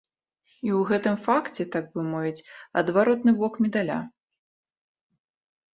І ў гэтым факце, так бы мовіць, адваротны бок медаля.